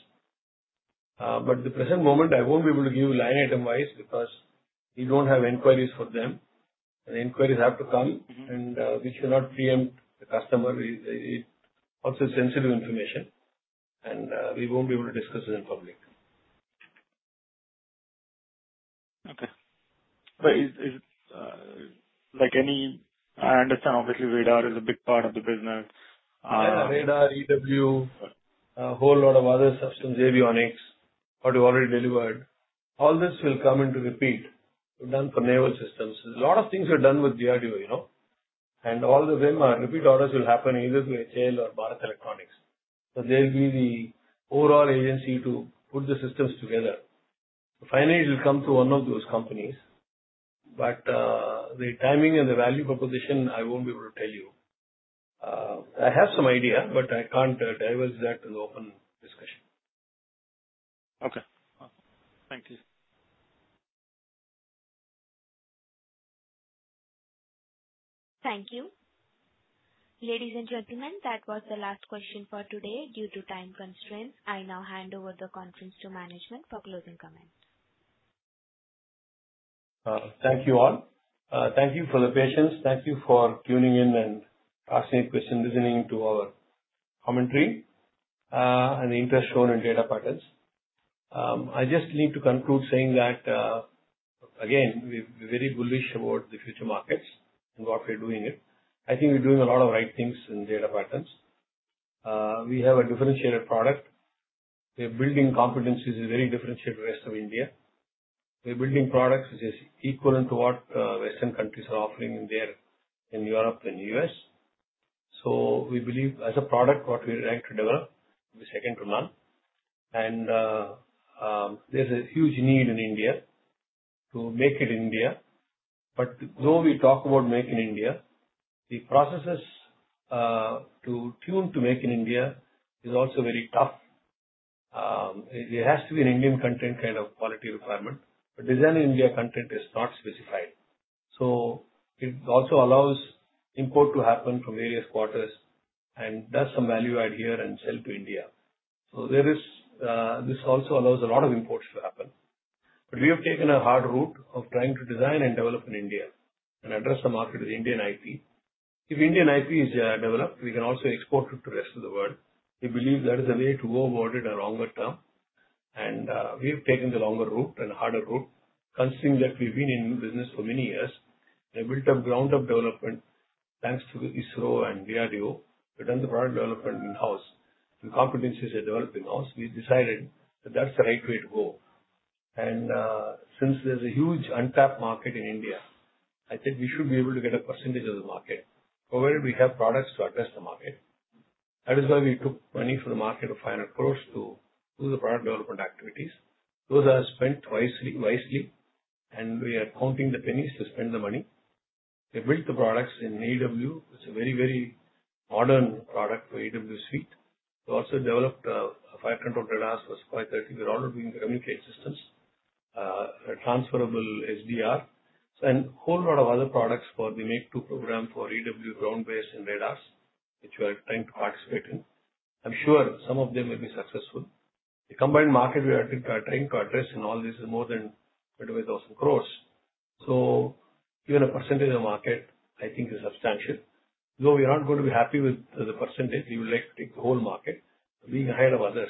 At the present moment, I won't be able to give you line item-wise because we don't have inquiries for them. The inquiries have to come, and we should not preempt the customer. It's also sensitive information. We won't be able to discuss it in public. Okay. Is it like any, I understand, obviously, radar is a big part of the business. Radar, EW, a whole lot of other subsystems, avionics, what you've already delivered. All this will come into repeat. We've done for naval systems. A lot of things are done with DRDO, you know. All the VMR, repeat orders will happen either with HAL or Bharat Electronics. They'll be the overall agency to put the systems together. Finally, it will come to one of those companies. The timing and the value proposition, I won't be able to tell you. I have some idea, but I can't tell you exactly the open discussion. Okay. Thank you. Thank you. Ladies and gentlemen, that was the last question for today. Due to time constraints, I now hand over the conference to management for closing comments. Thank you all. Thank you for the patience. Thank you for tuning in and asking questions, listening to our commentary and the interest shown in Data Patterns. I just need to conclude saying that, again, we're very bullish about the future markets and what we're doing here. I think we're doing a lot of right things in Data Patterns. We have a differentiated product. We're building competencies in a very differentiated rest of India. We're building products which are equivalent to what Western countries are offering in Europe, in the U.S. We believe as a product, what we're trying to develop will be second to none. There's a huge need in India to make it in India. Though we talk about making in India, the processes to tune to make in India is also very tough. It has to be an Indian content kind of quality requirement. Design in India content is not specified. It also allows import to happen from various quarters and does some value add here and sell to India. This also allows a lot of imports to happen. We have taken a hard route of trying to design and develop in India and address the market with Indian IP. If Indian IP is developed, we can also export it to the rest of the world. We believe that is a way to go about it in a longer term. We've taken the longer route and harder route, considering that we've been in business for many years. We built up ground-up development thanks to ISRO and DRDO. We've done the product development in-house. The competencies are developed in-house. We've decided that that's the right way to go. Since there's a huge untapped market in India, I think we should be able to get a percentage of the market. We have products to address the market. That is why we took money from the market of 500 crore to do the product development activities. Those are spent wisely, and we are counting the pennies to spend the money. We built the products in EW. It's a very, very modern product for EW suite. We also developed fire control radars for SU530. We're already doing the replicated systems, transferable SDR, and a whole lot of other products. We make two programs for EW ground-based and radars, which we are trying to participate in. I'm sure some of them may be successful. The combined market we are trying to address in all this is more than 20,000 crore. Even a percentage of the market, I think, is substantial. Though we're not going to be happy with the percentage, we would like to take the whole market. Being ahead of others,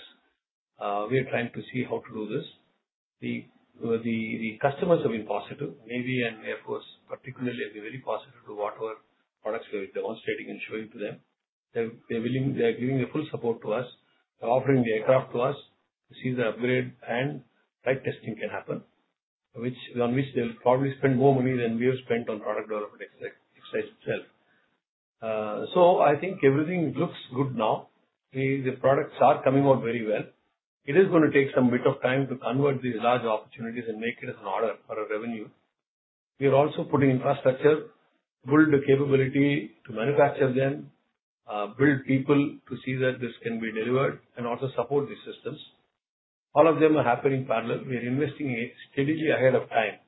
we're trying to see how to do this. The customers have been positive. Navy and Air Force particularly have been very positive to whatever products we're demonstrating and showing to them. They're willing, they're giving their full support to us. They're offering the aircraft to us to see the upgrade and type testing can happen, on which they'll probably spend more money than we have spent on product development exercise itself. I think everything looks good now. The products are coming out very well. It is going to take some bit of time to convert these large opportunities and make it as an order for our revenue. We are also putting infrastructure, build the capability to manufacture them, build people to see that this can be delivered, and also support these systems. All of them are happening in parallel. We're investing strategically ahead of time.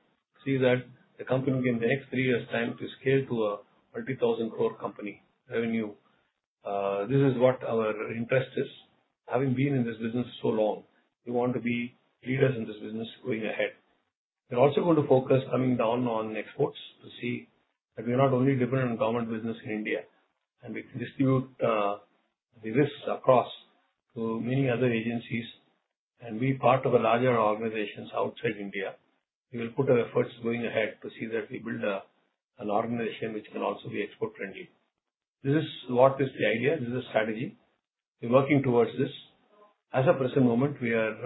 See that the company in the next three years' time to scale to a multi-thousand crore company revenue. This is what our interest is. Having been in this business so long, we want to be leaders in this business going ahead. We're also going to focus coming down on exports to see that we're not only dependent on government business in India, and we can distribute. This is across many other agencies, and we are part of a larger organization outside India. We will put our efforts going ahead to see that we build an organization which can also be export-friendly. This is what is the idea. This is the strategy. We are working towards this. As of the present moment, we believe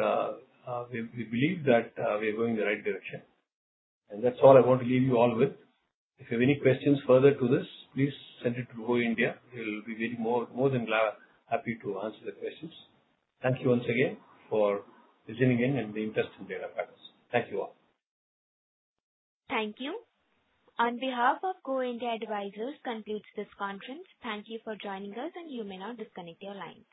that we are going in the right direction. That's all I want to leave you all with. If you have any questions further to this, please send it to Go India. We will be more than happy to answer the questions. Thank you once again for listening in and the interest in Data Patterns. Thank you all. Thank you. On behalf of Go India Advisors, this conference, thank you for joining us, and you may now disconnect your line.